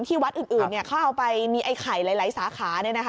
วัดอื่นเขาเอาไปมีไอ้ไข่หลายสาขา